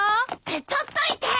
取っといて！